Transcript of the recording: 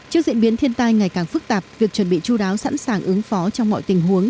trước diễn biến thiên tai ngày càng phức tạp việc chu đáo sẵn sàng ứng phó trong mọi tình huống